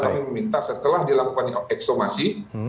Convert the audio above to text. kami meminta setelah dilakukan eksomasi